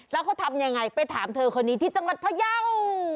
แล้วเขาทำยังไงไปถามเธอคนนี้ที่จังหวัดพยาว